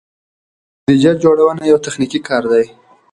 بودیجه جوړونه یو تخنیکي کار دی.